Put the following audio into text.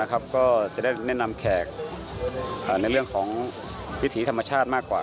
ก็จะได้แนะนำแขกในเรื่องของวิถีธรรมชาติมากกว่า